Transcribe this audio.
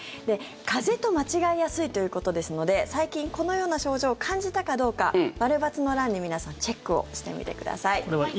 風邪と間違いやすいということですので最近このような症状を感じたかどうか○×の欄に皆さんチェックをしてみてください。